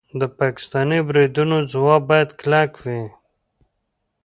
د پاکستاني بریدونو ځواب باید کلک وي.